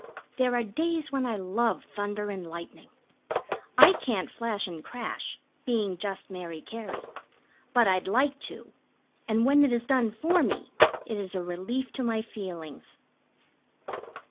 There are days when I love thunder and lightning. I can't flash and crash, being just Mary Cary; but I'd like to, and when it is done for me it is a relief to my feelings.